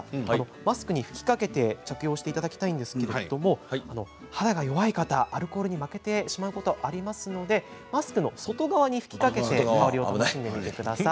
マスクに吹きかけて着用していただきたいんですけれども肌が弱い方、アルコールに負けてしまうことがありますのでマスクの外側に吹きかけて香りを楽しんでみてください。